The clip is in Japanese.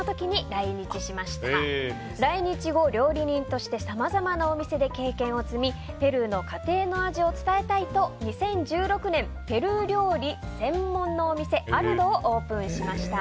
来日後、料理人としてさまざまなお店で経験を積みペルーの家庭の味を伝えたいと２０１６年ペルー料理専門のお店ＡＬＤＯをオープンしました。